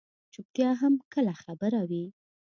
چُپتیا هم کله خبره وي.